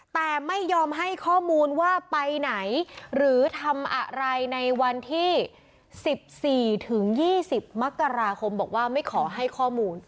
แต่ไม่ยอมให้ข้อมูลว่าไปไหนหรือทำอะไรในวันที่๑๔ถึง๒๐มกราคมบอกว่าไม่ขอให้ข้อมูล